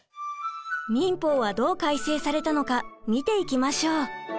民法はどう改正されたのか見ていきましょう。